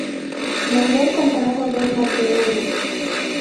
Mayor contrajo dos matrimonios.